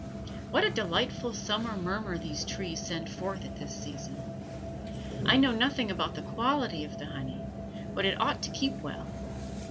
What a delightful summer murmur these trees send forth at this season. I know nothing about the quality of the honey, but it ought to keep well.